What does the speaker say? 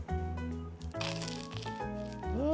うん！